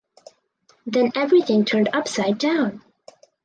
Then everything turned upside down!